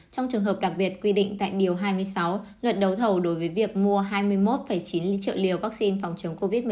trong trường hợp đặc biệt quy định tại điều hai mươi sáu luật đấu thầu đối với việc mua hai mươi một chín triệu liều vaccine phòng chống covid một mươi chín